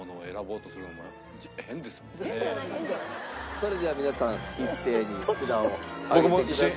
それでは皆さん一斉に札を上げてください。